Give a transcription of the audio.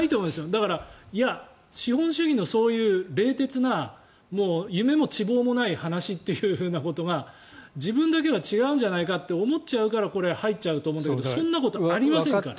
だからいや、資本主義のそういう冷徹な夢も智謀もない話ということが自分だけは違うんじゃないかって思っちゃうからこれ、入っちゃうと思うけどそんなことありませんから。